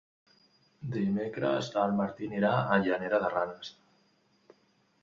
Dimecres en Martí anirà a Llanera de Ranes.